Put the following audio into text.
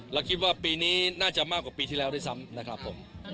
แล้วคิดว่าปีนี้น่าจะมากกว่าปีที่แล้วด้วยซ้ำนะครับผม